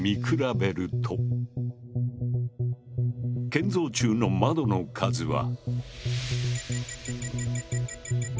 建造中の窓の数は１４。